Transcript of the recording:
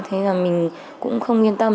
thế là mình cũng không yên tâm